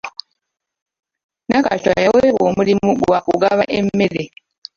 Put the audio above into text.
Nakacwa yaweebwa omulimu gwa kugaba emmere.